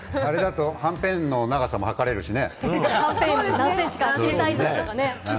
はんぺんの長さも測れるしね。